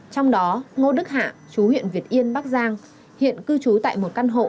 trong đó ngô đức hạ chú huyện việt yên bắc giang hiện cư trú tại một căn hộ